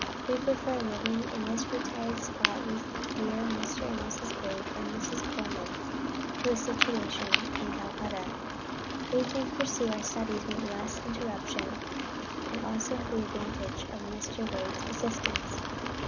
We prefer living in this retired spot with dear Mr. and Mrs. Wade and Mrs. Colman, to a situation in Calcutta; we can pursue our studies with less interruption, and also have the advantage of Mr. Wade's assistance.